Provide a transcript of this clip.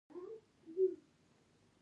زه غواړم خپل هدف ته ډیر کار وکړم